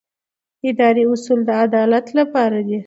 اداري اصول د عدالت لپاره دي.